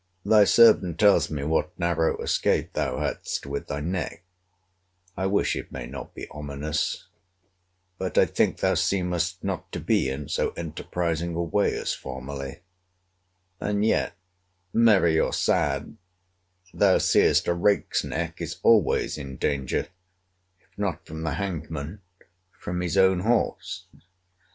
Thy servant tells me what narrow escape thou hadst with thy neck, I wish it may not be ominous: but I think thou seemest not to be in so enterprising a way as formerly; and yet, merry or sad, thou seest a rake's neck is always in danger, if not from the hangman, from his own horse.